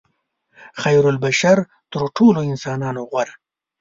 خیرالبشر تر ټولو انسانانو غوره.